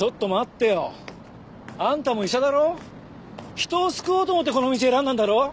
人を救おうと思ってこの道を選んだんだろ？